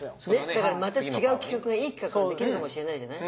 だからまた違う企画がいい企画ができるかもしれないじゃない。